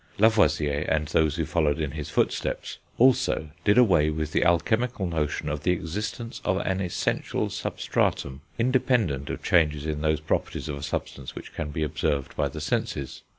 Lavoisier, and those who followed in his footsteps, also did away with the alchemical notion of the existence of an essential substratum, independent of changes in those properties of a substance which can be observed by the senses.